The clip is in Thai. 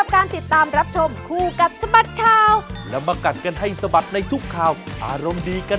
ครับสวัสดีครับสวัสดีค่ะ